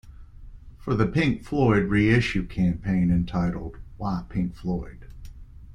For the Pink Floyd reissue campaign entitled Why Pink Floyd...?